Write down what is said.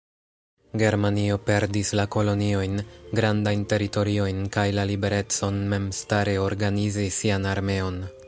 Germanio perdis la koloniojn, grandajn teritoriojn kaj la liberecon memstare organizi sian armeon.